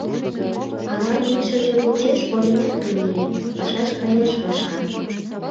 Ава лийшыже почеш Оринат кынеле, пашаш каяш вашка.